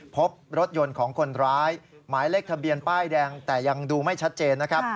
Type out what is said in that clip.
พบรถยนต์ของคนร้ายหมายเลขทะเบียนป้ายแดงแต่ยังดูไม่ชัดเจนนะครับ